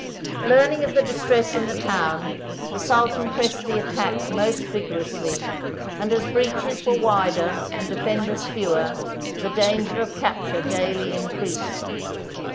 Learning of the distress in the town, the Sultan pressed the attack most vigorously, and as breaches were wider and defenders fewer, the danger of cap ture daily increased.